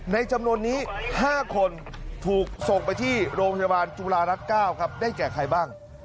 ในจำนวนนี้๕คนถูกส่งไปที่โรงพจบาลจุฬาลัทย์๙ได้แจ่ใครบ้าง